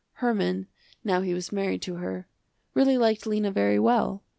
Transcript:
Herman, now he was married to her, really liked Lena very well.